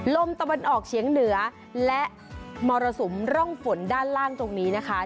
ลมตะวันออกเฉียงเหนือและมรสุมร่องฝนด้านล่างตรงนี้นะคะ